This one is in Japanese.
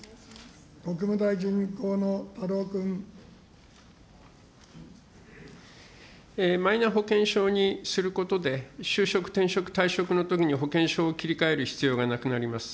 国務大臣、マイナ保険証にすることで就職、転職、退職のときに保険証を切り替える必要がなくなります。